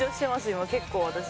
今結構私。